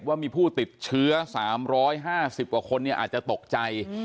ว่ามีผู้ติดเชื้อ๓๕๐กว่าคนอาจจะตกใจ